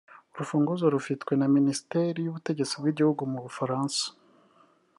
Urufunguzo rufitwe na Minisiteri y’ubutegetsi bw’igihugu mu Bufaransa